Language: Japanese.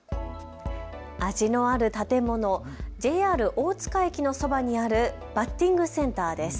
味のある建物、ＪＲ大塚駅のそばにあるバッティングセンターです。